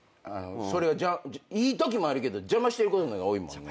それいいときもあるけど邪魔してることの方が多いもんね。